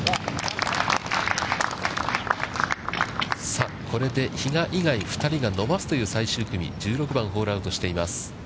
さあ、これで比嘉以外が２人が伸ばすという最終組、１６番、ホールアウトしています。